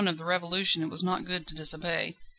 of the Revolution it was not good to disobey.